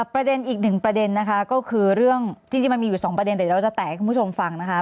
ประเด็นอีกหนึ่งประเด็นนะคะก็คือเรื่องจริงมันมีอยู่สองประเด็นเดี๋ยวเราจะแตกให้คุณผู้ชมฟังนะคะ